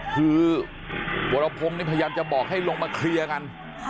คือวรพงศ์นี่พยายามจะบอกให้ลงมาเคลียร์กัน